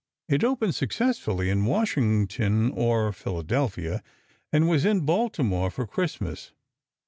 It opened successfully in Washington, or Philadelphia, and was in Baltimore for Christmas.